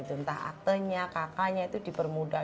entah aktenya kakaknya itu dipermudah